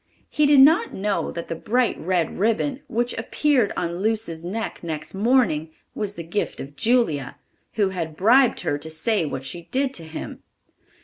He did not know that the bright red ribbon, which appeared on Luce's neck next morning, was the gift of Julia, who had bribed her to say what she did to him.